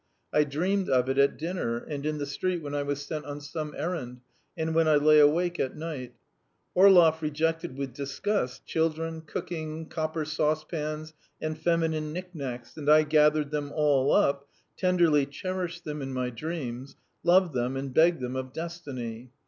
I dreamed of it at dinner, and in the street when I was sent on some errand, and when I lay awake at night. Orlov rejected with disgust children, cooking, copper saucepans, and feminine knicknacks and I gathered them all up, tenderly cherished them in my dreams, loved them, and begged them of destiny.